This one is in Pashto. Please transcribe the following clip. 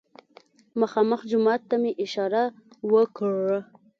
مخامخ جومات ته مې اشاره وکړه.